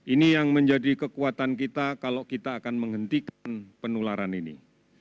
ini yang menjadi kekuatan kita kalau kita akan menghentikan penularan ini